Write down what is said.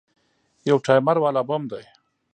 يو ټايمر والا بم دى.